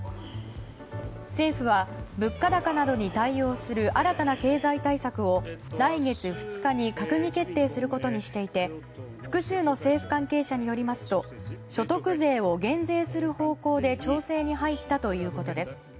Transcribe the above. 政府は、物価高などに対応する新たな経済対策を来月２日に閣議決定することにしていて複数の政府関係者によりますと所得税を減税する方向で調整に入ったということです。